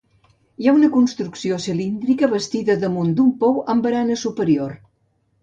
Hi ha una construcció cilíndrica bastida damunt d'un pou, amb barana superior.